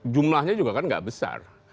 jumlahnya juga kan nggak besar